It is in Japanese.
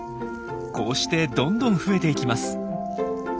こうしてどんどん増えていきます。